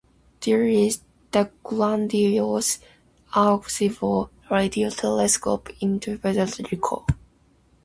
There is the grandiose Arecibo radio telescope in Puerto Rico.